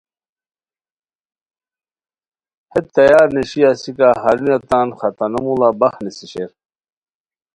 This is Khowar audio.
ہیت تیار نیشیی اسیکہ ہرونیہ تان ختانو موڑا بخ نیسی شیر